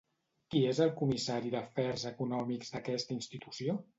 Qui és el comissari d'Afers Econòmics d'aquesta institució?